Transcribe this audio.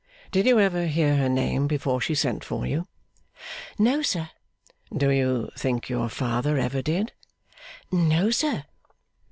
Did you ever hear her name before she sent for you?' 'No, sir.' 'Do you think your father ever did?' 'No, sir.